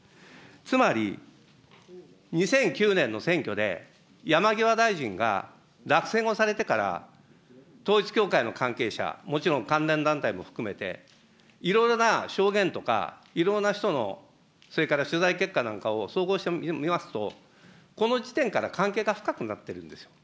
つまり、２００９年の選挙で、山際大臣が落選をされてから、統一教会の関係者、もちろん関連団体も含めて、いろいろな証言とか、いろいろな人の、それから取材結果なんかを総合してみますと、この時点から関係が深くなっているんですよ。